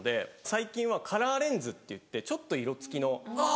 最近はカラーレンズっていってちょっと色付きの眼鏡。